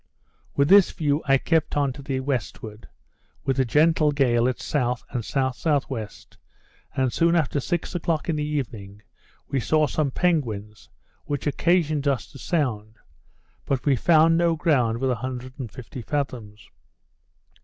With this view I kept on to the westward, with a gentle gale at south, and S.S.W., and soon after six o'clock in the evening, we saw some penguins, which occasioned us to sound; but we found no ground with 150 fathoms.